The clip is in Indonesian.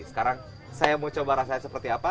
sekarang saya mau coba rasanya seperti apa